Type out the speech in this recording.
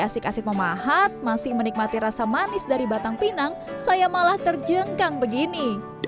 asik asik memahat masih menikmati rasa manis dari batang pinang saya malah terjengkang begini